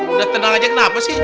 udah tenang aja kenapa sih